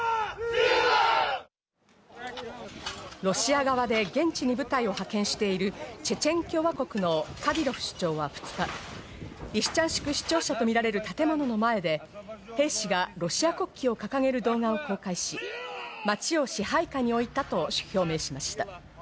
ロシア側で現地に部隊を派遣しているチェチェン共和国のカディロフ首長は２日リシチャンシク市庁舎とみられる建物の前で兵士がロシア国旗を掲げる動画を公開し、街を支配下に置いたと表明しました。